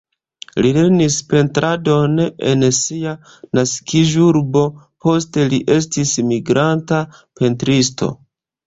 Li lernis pentradon en sia naskiĝurbo, poste li estis migranta pentristo.